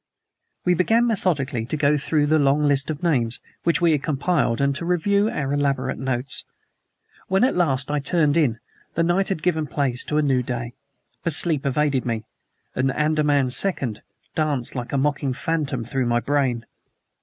We began methodically to go through the long list of names which we had compiled and to review our elaborate notes. When, at last, I turned in, the night had given place to a new day. But sleep evaded me, and "ANDAMAN SECOND" danced like a mocking phantom through my brain.